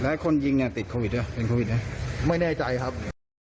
แล้วคนยิงติดโควิดเป็นโควิดไหมไม่แน่ใจครับ